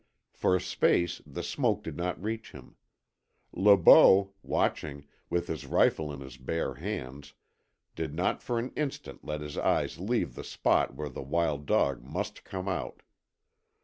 For a space the smoke did not reach him. Le Beau, watching, with his rifle in his bare hands, did not for an instant let his eyes leave the spot where the wild dog must come out.